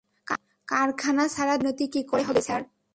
কারখানা ছাড়া দেশের উন্নতি কী করে হবে, স্যার?